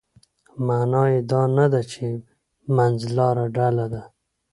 معنا یې دا نه ده چې منځلاره ډله ده.